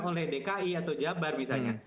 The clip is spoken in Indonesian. oleh dki atau jabar misalnya